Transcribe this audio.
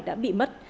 đã bị mất